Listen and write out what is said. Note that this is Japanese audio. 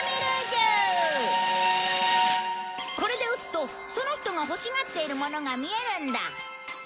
これで撃つとその人が欲しがっているものが見えるんだ。